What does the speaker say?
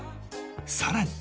さらに